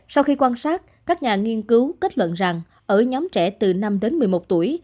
sau khi quan sát các nhà nghiên cứu kết luận rằng ở nhóm trẻ từ năm đến một mươi một tuổi